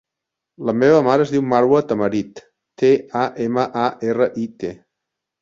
La meva mare es diu Marwa Tamarit: te, a, ema, a, erra, i, te.